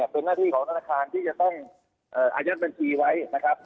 เป็นหน้าที่ของธนาคารที่จะต้องอายัดบัญชีไว้นะครับ